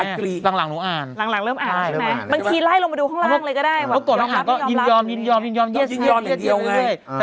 ยินยอมอย่างเดียวเลย